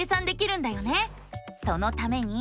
そのために。